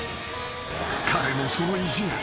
［彼のその意地が。